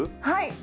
はい！